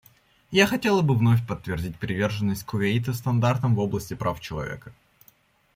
И я хотела бы вновь подтвердить приверженность Кувейта стандартам в области прав человека.